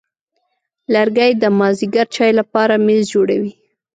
لرګی د مازېګر چای لپاره میز جوړوي.